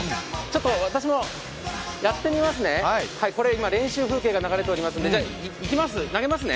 私もやってみますね、これ今練習風景が流れておりますんで行きます、投げますね。